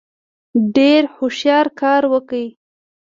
ډېر هوښیار کار وکړ.